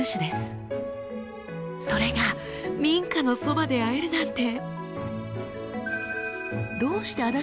それが民家のそばで会えるなんて！